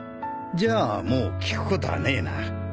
じゃあもう聞くことはねえな。